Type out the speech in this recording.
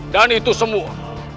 dan itu semua